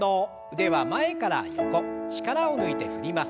腕は前から横力を抜いて振ります。